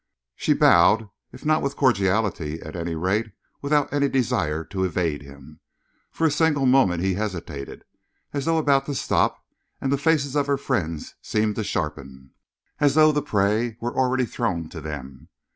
She bowed, if not with cordiality, at any rate without any desire to evade him. For a single moment he hesitated, as though about to stop, and the faces of her friends seemed to sharpen, as though the prey were already thrown to them.